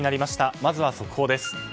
まずは速報です。